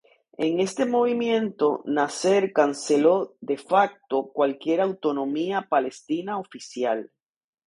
En este movimiento, Nasser canceló "de facto" cualquier autonomía palestina oficial.